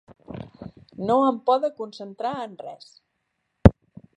No em poda concentrar en res.